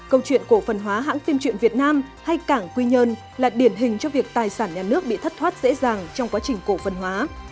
câu chuyện cổ phần hóa hãng phim truyện việt nam hay cảng quy nhơn là điển hình cho việc tài sản nhà nước bị thất thoát dễ dàng trong quá trình cổ phần hóa